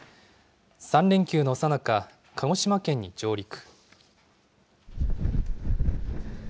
３連休のさなか、鹿児島県に上陸。